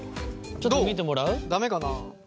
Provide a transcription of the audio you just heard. ちょっと見てもらう？